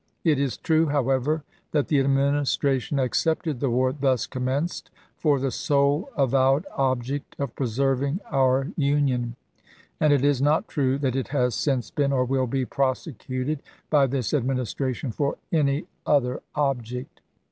It is true, however, that the Administration accepted the war thus commenced for the sole avowed object of pre serving our Union j and it is not true that it has since been, or will be, prosecuted by this Administration for any other object.